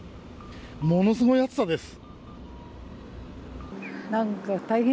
ものすごい暑さです。